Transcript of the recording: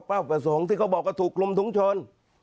ประสงค์ที่เขาบอกว่าถูกกลุ่มถุงชน